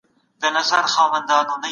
ایا د لامبو وهل د ټول بدن ورزش دی؟